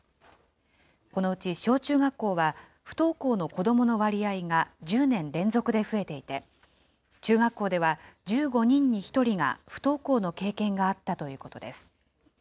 このうち小中学校は、不登校の子どもの割合が１０年連続で増えていて、中学校では、１５人に１人が不登校の経験があったということです。